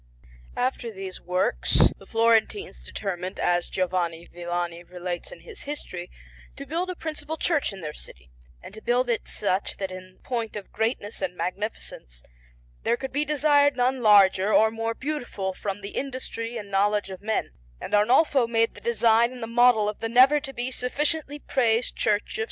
After these works, the Florentines determined, as Giovanni Villani relates in his History, to build a principal church in their city, and to build it such that in point of greatness and magnificence there could be desired none larger or more beautiful from the industry and knowledge of men; and Arnolfo made the design and the model of the never to be sufficiently praised Church of S.